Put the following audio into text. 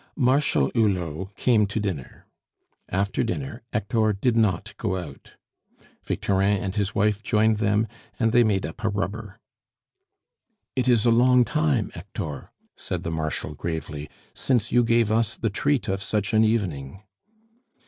Marshal Hulot came to dinner. After dinner, Hector did not go out. Victorin and his wife joined them, and they made up a rubber. "It is a long time, Hector," said the Marshal gravely, "since you gave us the treat of such an evening."